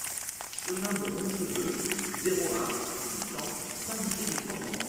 Chemin de Roncheveux, zéro un, six cents Saint-Didier-de-Formans